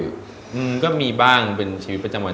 อืมก็มีบ้างเป็นชีวิตปัจจังหวัด